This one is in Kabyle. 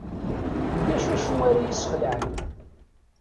Ulac acu ara yi-sxelɛen.